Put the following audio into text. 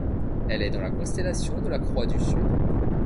Elle est dans la constellation de la Croix du Sud.